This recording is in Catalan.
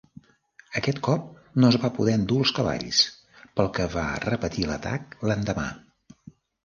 Aquest cop no es va poder endur els cavalls, pel que va repetir l'atac l'endemà.